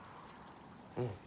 うん。